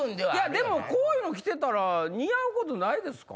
でもこういうの着てたら似合うことないですか？